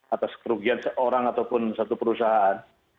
atas kerugian seorang ataupun satu perusahaan